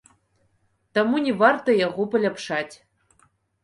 Таму не варта яго паляпшаць.